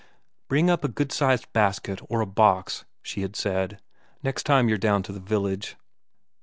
"Bring up a good sized basket, or a box," she had said, "next time you're down to the village."